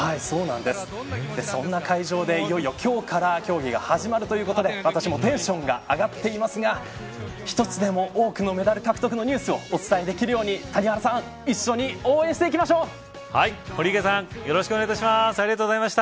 そんな会場で、いよいよ今日から競技が始まるということで私もテンションが上がっていますが一つでも多くのメダルの獲得のニュースをお伝えできるように谷原さん一緒に応援していきましょう。